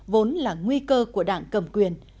vốn là nguy cơ của đảng cầm quyền